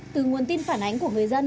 từ nguồn tin phản ánh của người dân